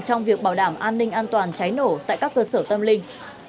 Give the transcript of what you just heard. trong việc bảo đảm an ninh an toàn cháy nổ tại các cơ sở tâm linh